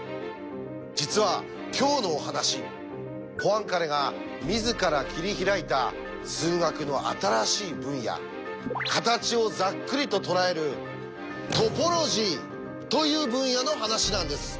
実は今日のお話ポアンカレが自ら切り開いた数学の新しい分野形をざっくりととらえる「トポロジー」という分野の話なんです。